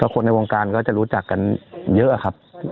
คนในวงการก็จะรู้จักกันเยอะครับ